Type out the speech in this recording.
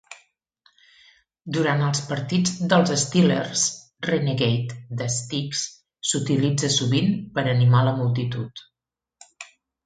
Durant els partits dels Steelers, "Renegade" de Styx s'utilitza sovint per animar la multitud.